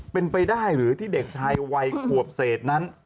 เป็นไปได้หรือที่เด็กชายวัยขวบเศษนั้น